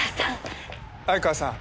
相川さん